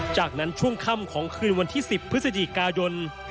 จากนั้นช่วงค่ำของคืนวันที่๑๐พฤศจิกายน